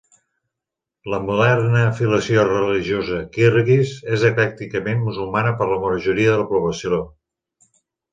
La moderna afiliació religiosa Kyrgyz és eclècticament musulmana per a la majoria de la població.